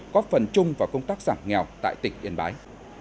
góp phần chung vào công tác giảm nghèo tại tỉnh yên bái